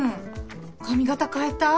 髪形変えた？